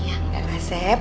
iya enggak lah sep